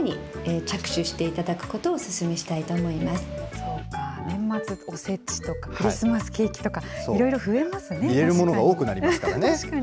そうか、年末、おせちとかクリスマスケーキとか、色々増えますね、確かに。